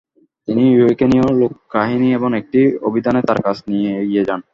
তিনি ইউক্রেনীয় লোককাহিনী এবং একটি অভিধানে তার কাজ নিয়ে এগিয়ে যান।